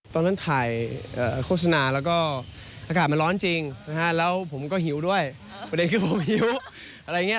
ตอนนั้นถ่ายโฆษณาแล้วก็อากาศมันร้อนจริงนะฮะแล้วผมก็หิวด้วยประเด็นคือผมหิวอะไรอย่างนี้